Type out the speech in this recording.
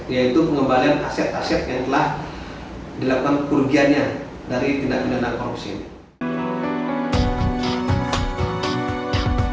yaitu pengembalian aset aset yang telah dilakukan kerugiannya dari tindak pidana korupsi ini